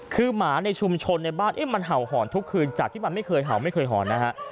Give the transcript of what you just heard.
คือหมาในชุมชนในบ้านเอ๊ะมันเห่าหอนทุกคืนจากที่มันไม่เคยเห่าไม่เคยหอนนะฮะ